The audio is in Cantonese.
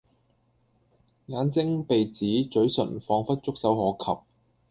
眼睛、鼻子、咀唇彷彿觸手可及